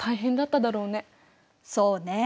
そうね。